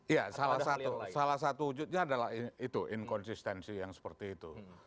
iya salah satu wujudnya adalah itu inkonsistensi yang seperti itu